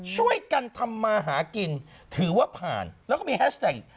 ช่วยกันทำมาหากินถือว่าผ่านแล้วก็มีแฮชแท็ก